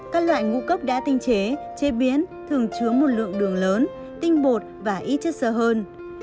các loại ngũ cốc đã tinh chế chế biến thường chứa một lượng đường lớn tinh bột và ít chất sơ hơn